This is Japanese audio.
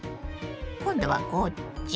今度はこっち？